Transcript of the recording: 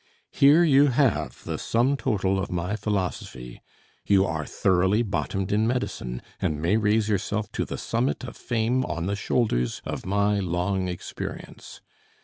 Here you have the sum total of my philosophy; you are thoroughly bottomed in medicine, and may raise yourself to the summit of fame on the shoulders of my long experience.